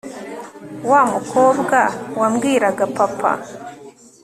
wamukobwa wambwiraga papa